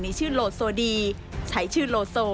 ในชื่อโลโซดีสายชื่อโลโซ